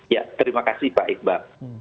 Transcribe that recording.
ya terima kasih pak iqbal